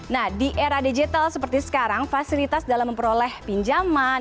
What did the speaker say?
nah di era digital seperti sekarang fasilitas dalam memperoleh pinjaman